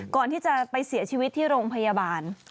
ก่อนที่จะไปเสียชีวิตที่โรงพยาบาล